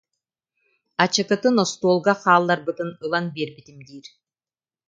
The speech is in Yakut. Ачыкытын остуолга хаалларбытын ылан биэрбитим диир